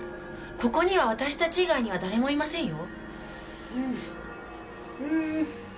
ここには私たち以外には誰もいませんよ。